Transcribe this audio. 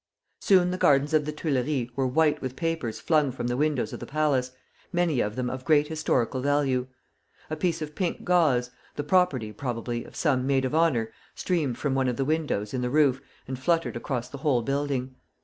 Soon the gardens of the Tuileries were white with papers flung from the windows of the palace, many of them of great historical value. A piece of pink gauze, the property, probably, of some maid of honor, streamed from one of the windows in the roof and fluttered across the whole building.